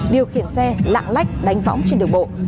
điều khiển xe lạng lách đánh võng trên đường bộ